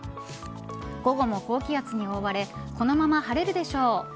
午後も高気圧に覆われこのまま晴れるでしょう。